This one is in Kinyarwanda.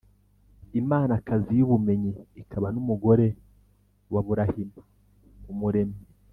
imanakazi y’ubumenyi ikaba n’umugore wa burahima, umuremyi